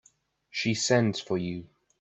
She sends for you.